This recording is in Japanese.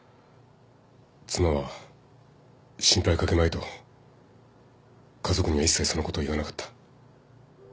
妻は心配かけまいと家族には一切そのことを言わなかった。